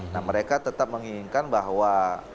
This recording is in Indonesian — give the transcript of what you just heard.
nah mereka tetap menginginkan bahwa